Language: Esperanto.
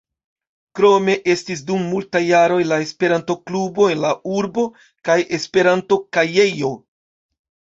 Krome estis dum multaj jaroj la Esperanto-klubo en la urbo, kaj Esperanto-kajejo.